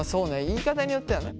言い方によってはね。